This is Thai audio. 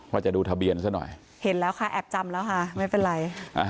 ว่าจะดูทะเบียนซะหน่อยเห็นแล้วค่ะแอบจำแล้วค่ะไม่เป็นไร